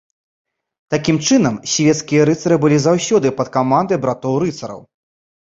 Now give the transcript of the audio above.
Такім чынам, свецкія рыцары былі заўсёды пад камандай братоў-рыцараў.